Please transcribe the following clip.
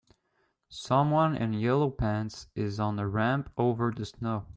Someone in yellow pants is on a ramp over the snow.